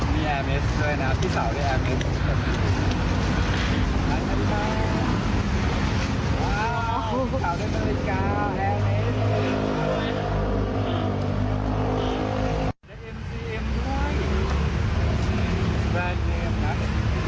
มีแอร์เมสด้วยนะครับพี่สาวได้แอร์เมสด้วยนะครับ